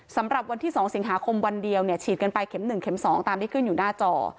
สำหรับวันที่๒สิงหาคมวันเดียวเนี่ยฉีดกันไปเข็ม๑เม็ม๒ตามที่ขึ้นอยู่หน้าจอ